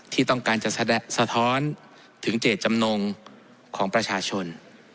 ที่ต้องการจะสะท้อนถึงเจตจำนงของประชาชน